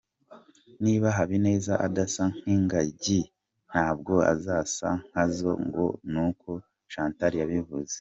Niba Habineza adasa nk’ingagi, ntabwo azasa nkazo ngo n’uko Chantal yabivuze.